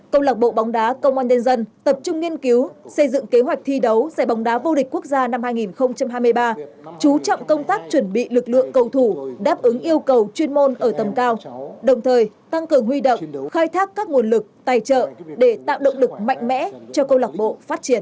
công lạc bộ bóng đá công an nhân dân tập trung nghiên cứu xây dựng kế hoạch thi đấu giải bóng đá vô địch quốc gia năm hai nghìn hai mươi ba chú trọng công tác chuẩn bị lực lượng cầu thủ đáp ứng yêu cầu chuyên môn ở tầm cao đồng thời tăng cường huy động khai thác các nguồn lực tài trợ để tạo động lực mạnh mẽ cho câu lạc bộ phát triển